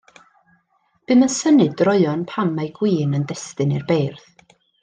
Bum yn synnu droeon pam y mae gwin yn destun i'r beirdd.